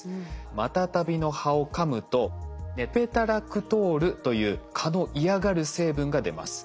マタタビの葉をかむとネペタラクトールという蚊の嫌がる成分が出ます。